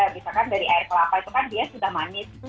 misalkan dari air kelapa itu kan dia sudah manis